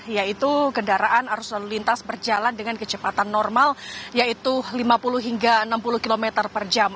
yaitu kendaraan arus lalu lintas berjalan dengan kecepatan normal yaitu lima puluh hingga enam puluh km per jam